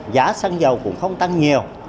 giá xăng dầu cũng không tăng nhiều